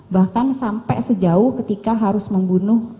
bahkan sampai sejauh ketika harus menangkap orang